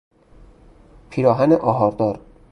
پیراهن آهاردار